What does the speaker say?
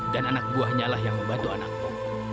dan anak baiku oleh dia yang membantu anakmu